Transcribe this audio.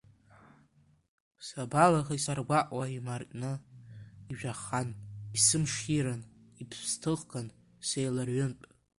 Сабалахеи, саргәаҟуа, имартны, ижәахан, исымширан, иԥсҭыхган, сеиларҩынт!